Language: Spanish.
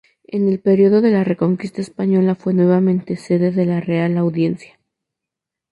En el periodo de la Reconquista Española fue nuevamente sede de la Real Audiencia.